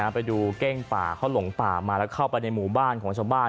ไปดูเก้งป่าเขาหลงป่ามาแล้วเข้าไปในหมู่บ้านของชาวบ้าน